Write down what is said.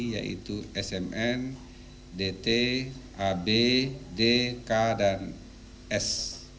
yaitu smn dt ab d k dan s